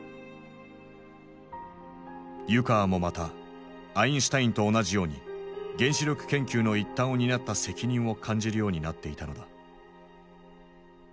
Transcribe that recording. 湯川もまたアインシュタインと同じように原子力研究の一端を担った責任を感じるようになっていたのだ。